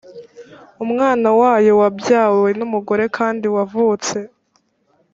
umwana wayo wabyawe n’umugore kandi wavutse